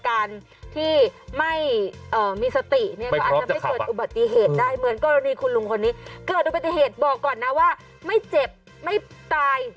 เกิดดูปฏิเหตุบอกก่อนนะว่าไม่เจ็บไม่ตาย